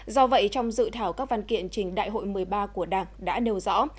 do vậy trong dự thảo các văn kiện trình đại hội một mươi ba của đảng đã nêu rõ